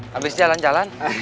habis jalan jalan